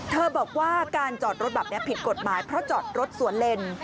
บอกว่าการจอดรถแบบนี้ผิดกฎหมายเพราะจอดรถสวนเลน